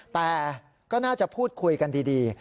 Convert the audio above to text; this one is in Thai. แต่ก็น่าจะพูดคุยกันดี